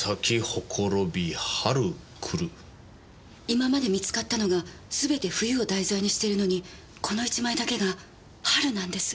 今まで見つかったのが全て冬を題材にしているのにこの一枚だけが春なんです。